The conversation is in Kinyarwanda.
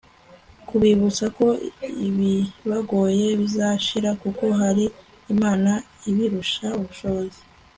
kubibutsa ko ibibagoye bizashira kuko hari imana ibirusha ubushobozi